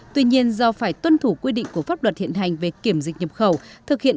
tuy nhiên vẫn còn ở mức rất cao